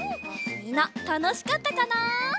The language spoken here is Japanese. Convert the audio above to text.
みんなたのしかったかな？